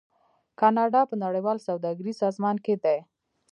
کاناډا په نړیوال سوداګریز سازمان کې دی.